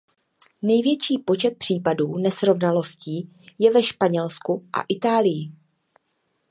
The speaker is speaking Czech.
Největší počet případů nesrovnalostí je ve Španělsku a Itálii.